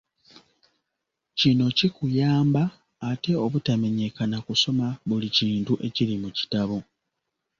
Kino kikuyamba ate obutamenyeka na kusoma buli kintu ekiri mu kitabo.